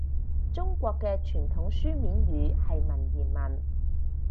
中國嘅傳統書面語係文言文